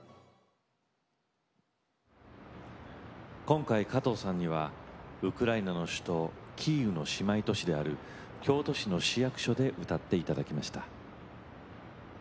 今回加藤さんにはウクライナの首都キーウの姉妹都市である京都市の市役所で歌って頂きました。